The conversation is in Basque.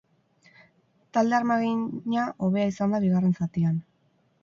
Talde armagina hobea izan da bigarren zatian.